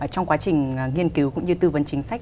trong quá trình nghiên cứu cũng như tư vấn chính sách